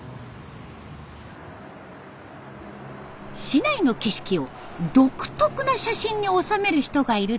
市内の景色を独特な写真に収める人がいると聞き。